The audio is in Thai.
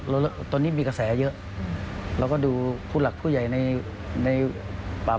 เราตัวนี้มีกระแสเยอะเราก็ดูหนักผู้ใหญ่ในในป่า